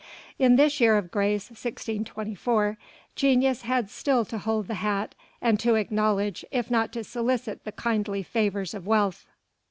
In this year of grace 1624 genius had still to hold the hat and to acknowledge if not to solicit the kindly favours of wealth.